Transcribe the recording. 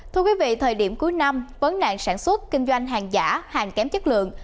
thưa quý vị thời điểm cuối năm vấn nạn sản xuất kinh doanh hàng giả hàng kém chất lượng